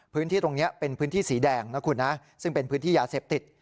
พื้นที่ตรงนี้เป็นพื้นที่สีแดงนะคุณนะซึ่งเป็นพื้นที่ยาเสพติด